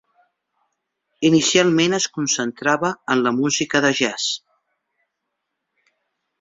Inicialment es concentrava en la música de jazz.